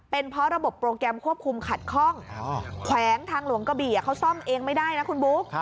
เป็นเพราะระบบโปรแกรมควบคุมขัดข้องแขวงทางหลวงกะบี่เขาซ่อมเองไม่ได้นะคุณบุ๊ค